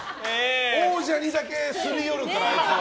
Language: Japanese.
王者にだけすり寄るからあいつは。